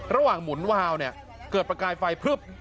ระหว่างหมุนวาวนี่เกิดประกายไฟ